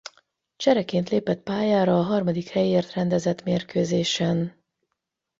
Csereként lépett pályára a harmadik helyért rendezett mérkőzésen.